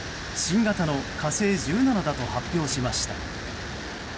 新型の「火星１７」だと発表しました。